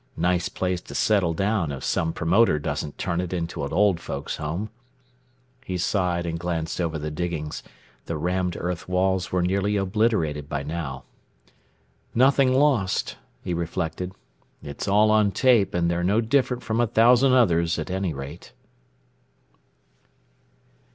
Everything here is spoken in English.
Nice place to settle down if some promoter doesn't turn it into an old folks home._ He sighed and glanced over the diggings. The rammed earth walls were nearly obliterated by now. Nothing lost, he reflected. _It's all on tape and they're no different from a thousand others at any rate.